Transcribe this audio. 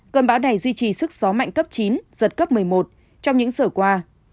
cơn bão này duy trì sức gió mạnh cấp chín giật cấp một mươi một trong những giờ qua